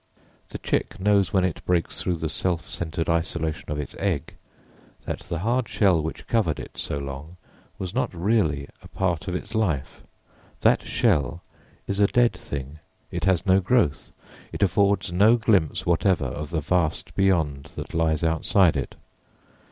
The chick knows when it breaks through the self centered isolation of its egg that the hard shell which covered it so long was not really a part of its life. That shell is a dead thing, it has no growth, it affords no glimpse whatever of the vast beyond that lies outside it.